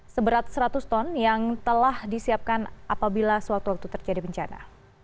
seberat seratus ton yang telah disiapkan apabila suatu waktu terjadi bencana